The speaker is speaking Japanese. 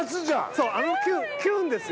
そうあのキュンキュンですよ